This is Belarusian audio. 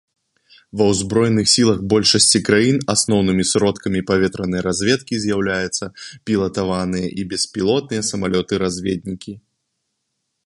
Ва ўзброеных сілах большасці краін асноўнымі сродкамі паветранай разведкі з'яўляецца пілатаваныя і беспілотныя самалёты-разведнікі.